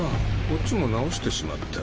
こっちも治してしまった。